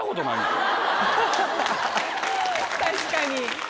確かに！